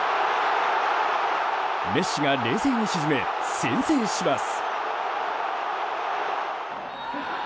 メッシが冷静に決め先制します。